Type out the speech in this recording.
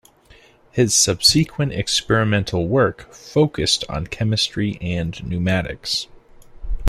His subsequent experimental work focused on chemistry and pneumatics.